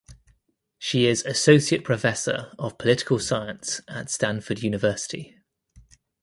She is Associate Professor of Political Science at Stanford University.